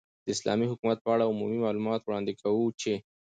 ، داسلامې حكومت په اړه عمومي معلومات وړاندي كوو چې